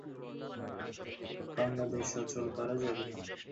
তিনি প্রথম আবদুর রহমান ও তার স্ত্রী হালুলের প্রথম পুত্র।